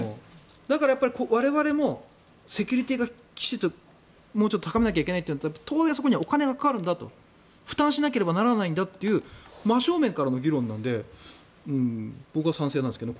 だから我々もセキュリティーをきちんともうちょっと高めないといけないなら当然そこにはお金がかかるんだと負担しなければならないという真正面からの議論なので僕は賛成なんですけどね。